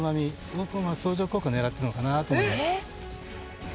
僕は相乗効果狙ってるのかなと思います